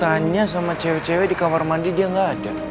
tadi gua tanya sama cewe cewe di kamar mandi dia gaada